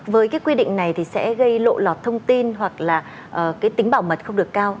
với cái quy định này thì sẽ gây lộ lọt thông tin hoặc là cái tính bảo mật không được cao